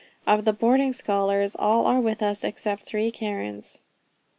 Of the boarding scholars, all are with us except three Karens.